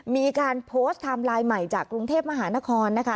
มีการโพสต์ไทม์ไลน์ใหม่จากกรุงเทพมหานครนะคะ